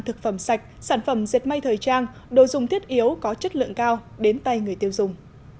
thực phẩm sạch sản phẩm diệt may thời trang đồ dùng thiết yếu có chất lượng cao đến tay người tiêu dùng